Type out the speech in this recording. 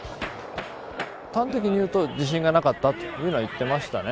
端的に言うと、自信なかったというのは言ってましたね。